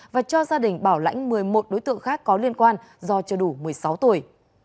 và cho gia đình bảo lãnh một mươi một đối tượng khác có liên quan do chưa đủ một mươi sáu tuổi